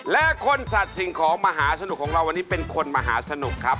และคนสัตว์สิ่งของมหาสนุกของเราวันนี้เป็นคนมหาสนุกครับ